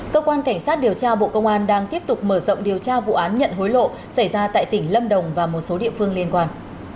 cơ quan cảnh sát điều tra bộ công an đang tiếp tục mở rộng điều tra vụ án nhận hối lộ xảy ra tại tỉnh lâm đồng và một số địa phương liên quan